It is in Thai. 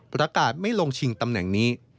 ประกาศไม่ลงชิงตำแหน่งนี้